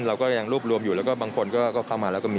เราก็ยังรวบรวมอยู่แล้วก็บางคนก็เข้ามาแล้วก็มี